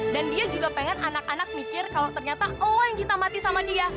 dan dia juga pengen anak anak mikir kalau ternyata allah yang cinta mati sama dia